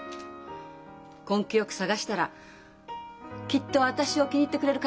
「根気よく探したらきっと私を気に入ってくれる会社あると思う」。